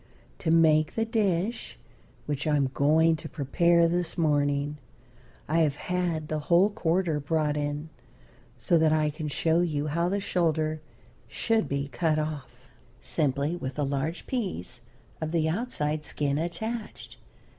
To make the dish which I am going to prepare this morning, I have had the whole quarter brought in so that I can show you how the shoulder should be cut off. Simply with a large piece of the outside skin attached.